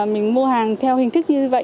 mình mua hàng theo hình thức như vậy